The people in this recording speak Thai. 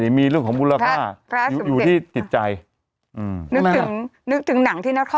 ไม่มีเรื่องของมูลละคาอยู่ที่ติดใจอือคือชิงนึกถึงหนังที่นับ